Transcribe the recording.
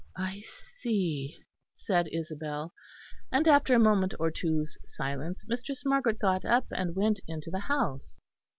"I see," said Isabel; and after a moment or two's silence Mistress Margaret got up and went into the house.